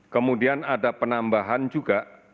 kemudian ada penambahan juga